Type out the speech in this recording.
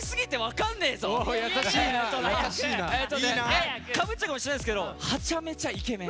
かぶっちゃうかもしれないんですけどはちゃめちゃイケメン。